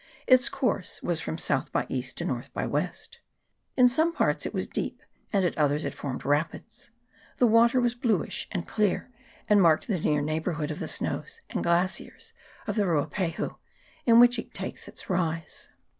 Its course was from S. by E. to N. by W. In some parts it was deep, and at others it formed rapids ; the water was bluish and clear, and marked the near neighbour hood of the snows and glaciers of the Ruapahu, in which it takes its rise.